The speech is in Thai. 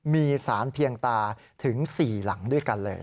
มีสารเพียงตาถึง๔หลังด้วยกันเลย